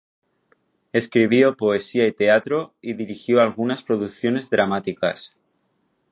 Escribió poesía y teatro, y dirigió algunas producciones dramáticas.